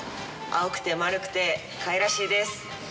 青くて丸くてかわいらしいです。